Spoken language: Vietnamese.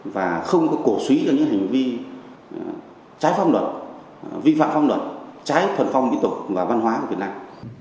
và không có cổ suý cho những hành vi trái phong luật vi phạm phong luật trái thuần phong kỹ tục và văn hóa của việt nam